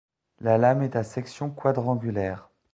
La lame est à section quadrangulaire.